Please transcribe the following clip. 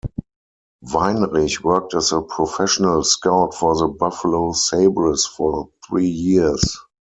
Weinrich worked as a professional scout for the Buffalo Sabres for three years.